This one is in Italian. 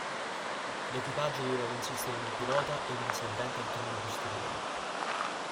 L'equipaggio doveva consistere in un pilota ed un servente al cannone posteriore.